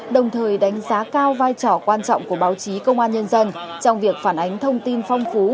đồng thời đánh giá cao vai trò quan trọng của báo chí công an nhân dân trong việc phản ánh thông tin phong phú